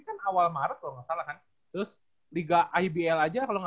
februari akhir tuh udah kok